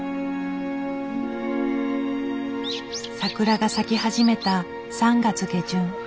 桜が咲き始めた３月下旬。